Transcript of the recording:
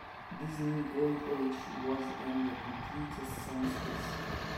This new great age was in the completest sense his.